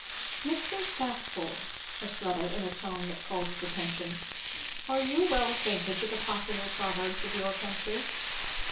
'" "Mr. Stackpole," said Fleda in a tone that called his attention, "are you well acquainted with the popular proverbs of your country?"